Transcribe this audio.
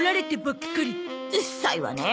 うっさいわね。